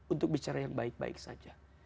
untuk bicara yang baik baik saja